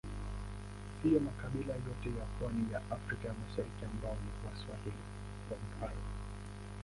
Siyo makabila yote ya pwani ya Afrika ya Mashariki ambao ni Waswahili, kwa mfano.